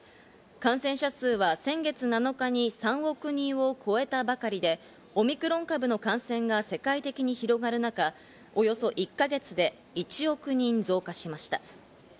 感染者数は先月７日に３億人を超えたばかりで、オミクロン株の感染が世界的に広がる中、およそ１か月で１億人増加しました。